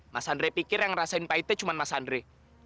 mas andre pikir yang ngerasain pahitnya cuma mas andre